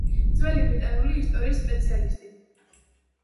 ძველი ბრიტანული ისტორიის სპეციალისტი.